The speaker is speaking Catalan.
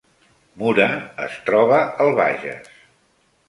Mura es troba al Bages